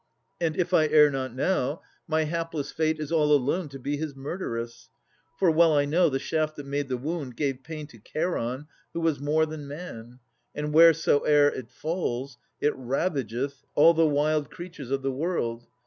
And, if I err not now, my hapless fate Is all alone to be his murderess. For, well I know, the shaft that made the wound Gave pain to Cheiron, who was more than man; And wheresoe'er it falls, it ravageth All the wild creatures of the world.